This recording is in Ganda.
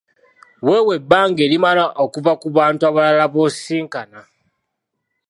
Weewe ebbanga erimala okuva ku bantu abalala b’osisinkana.